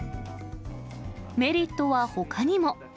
メリットはほかにも。